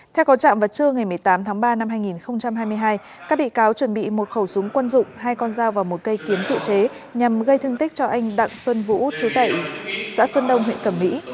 theo có trạm vào trưa ngày một mươi tám tháng ba năm hai nghìn hai mươi hai các bị cáo chuẩn bị một khẩu súng quân dụng hai con dao và một cây kiến tự chế nhằm gây thương tích cho anh đặng xuân vũ chú tẩy xã xuân đông huyện cẩm mỹ